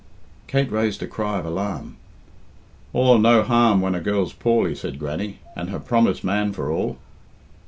Kate raised a cry of alarm. "Aw, no harm when a girl's poorly," said Grannie, "and her promist man for all."